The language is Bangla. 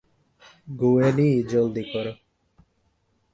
গুয়েনি, জলদি কর।